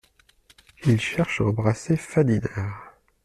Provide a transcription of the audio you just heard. Il cherche à embrasser Fadinard.